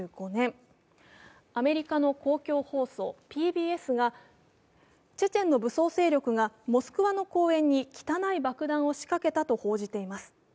アメリカの公共放送ＰＢＳがチェチェンの武装勢力がモスクワの公園に汚い爆弾を仕掛けたと報じています。